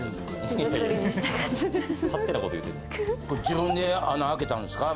自分で穴開けたんですか？